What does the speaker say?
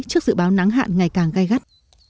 trước dự báo nắng hạn ngày càng gây gắt